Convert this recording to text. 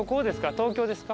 東京ですか？